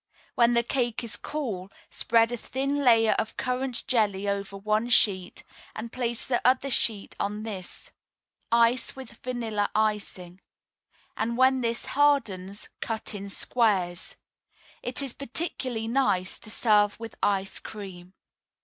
When the cake is cool, spread a thin layer of currant jelly over one sheet, and place the other sheet on this. Ice with vanilla icing; and when this hardens, cut in squares. It is particularly nice to serve with ice cream.